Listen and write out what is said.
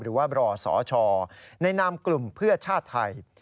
หรือว่าบรสชในนามกลุ่มเพื่อชาติไทย